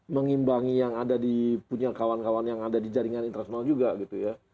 mengimbangi yang ada di punya kawan kawan yang ada di jaringan internasional juga gitu ya